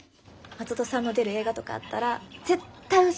松戸さんの出る映画とかあったら絶対教えてください！